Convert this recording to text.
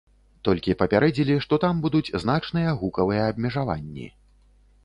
Толькі папярэдзілі, што там будуць значныя гукавыя абмежаванні.